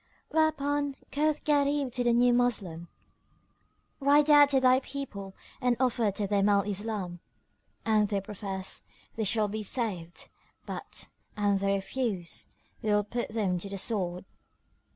Whereupon quoth Gharib to the new Moslem, "Ride out to thy people and offer to them Al Islam: an they profess, they shall be saved; but, an they refuse, we will put them to the sword."